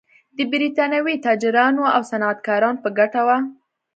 د برېټانوي تاجرانو او صنعتکارانو په ګټه و.